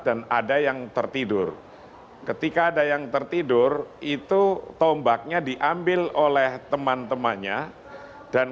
dan ada yang tertidur ketika ada yang tertidur itu tombaknya diambil oleh teman temannya dan